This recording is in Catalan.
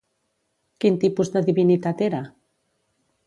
Quin tipus de divinitat era?